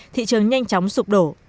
thị trường nhanh chóng sụp đổ